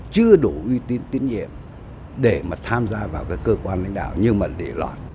chưa đủ uy tín tiến nhiệm để mà tham gia vào cơ quan lãnh đạo nhưng mà để lọt